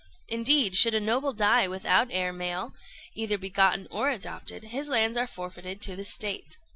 Indeed, should a noble die without heir male, either begotten or adopted, his lands are forfeited to the State.